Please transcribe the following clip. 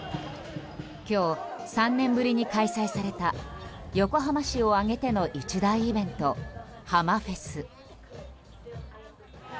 今日、３年ぶりに開催された横浜市を挙げての一大イベントハマフェス。